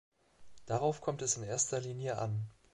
Darauf kommt es in erster Linie an.